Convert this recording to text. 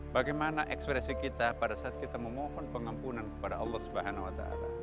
bagaimana ekspresi kita pada saat kita memohon pengampunan kepada allah swt